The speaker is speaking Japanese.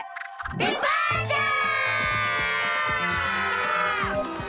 デパーチャー！